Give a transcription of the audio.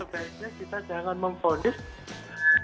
sebaiknya kita jangan memfonis